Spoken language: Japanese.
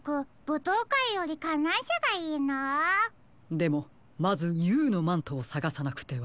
でもまずＵのマントをさがさなくては。